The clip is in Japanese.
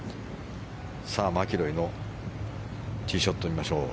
さあ、マキロイのティーショット見ましょう。